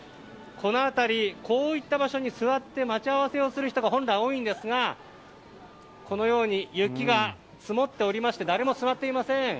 この辺り、こういった場所に座って、待ち合わせをする人が本来は多いんですが雪が積もっておりまして誰も座っていません。